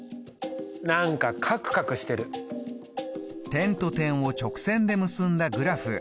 点と点を直線で結んだグラフ。